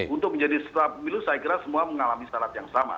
untuk menjadi peserta pemilu saya kira semua mengalami syarat yang sama